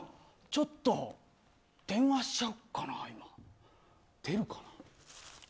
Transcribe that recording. ちょっと電話しちゃおっかな今。